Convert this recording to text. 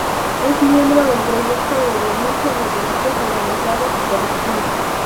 Es miembro del Proyecto de Denuncia de Delitos Organizados y Corrupción.